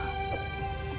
dan segala kekuatan